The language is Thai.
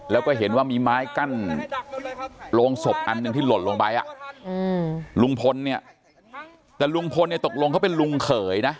แล้วก็เห็นว่ามีไม้กั้นโรงศพอันหนึ่งที่หล่นลงไปลุงพลเนี่ยแต่ลุงพลเนี่ยตกลงเขาเป็นลุงเขยนะ